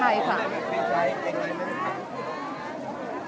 และที่อยู่ด้านหลังคุณยิ่งรักนะคะก็คือนางสาวคัตยาสวัสดีผลนะคะก็คือนางสาวคัตยาสวัสดีผลนะคะ